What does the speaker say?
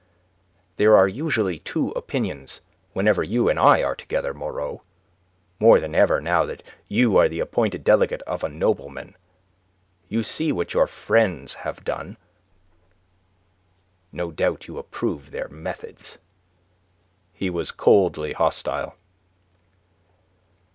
"There are usually two opinions whenever you and I are together, Moreau more than ever now that you are the appointed delegate of a nobleman. You see what your friends have done. No doubt you approve their methods." He was coldly hostile.